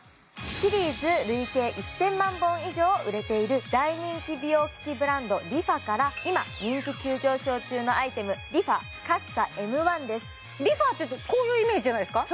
シリーズ累計１０００万本以上売れている大人気美容機器ブランドＲｅＦａから今人気急上昇中のアイテムＲｅＦａっていうとこういうイメージじゃないですか